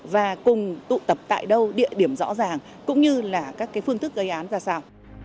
và cùng tụ tập tại đâu địa điểm rõ ràng cũng như là các phương thức gây án ra sao